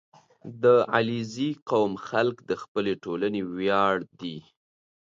• د علیزي قوم خلک د خپلې ټولنې ویاړ دي.